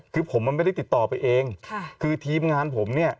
คือผมมันไม่ได้ติดต่อไปเองค่ะคือทีมงานผมเนี่ย